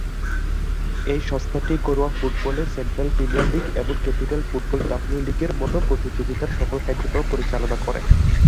এই সংস্থাটি ঘরোয়া ফুটবলে সেন্ট্রাল প্রিমিয়ার লীগ এবং ক্যাপিটাল ফুটবল ডাব্লিউ-লীগের মতো প্রতিযোগিতার সকল কার্যক্রম পরিচালনা করে।